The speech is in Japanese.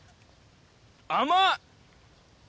甘っ！